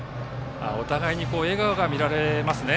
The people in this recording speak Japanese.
お互いに笑顔が見られますね。